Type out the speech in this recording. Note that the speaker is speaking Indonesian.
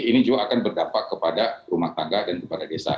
ini juga akan berdampak kepada rumah tangga dan kepada desa